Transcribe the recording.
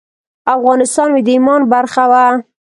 افغانستان مې د ایمان برخه وه.